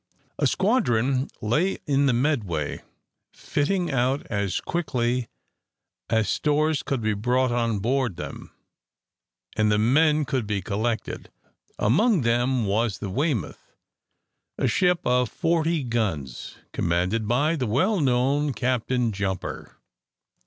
A squadron lay in the Medway, fitting out as quickly as stores could be brought on board them and the men could be collected. Among them was the "Weymouth," a ship of forty guns, commanded by the well known Captain Jumper.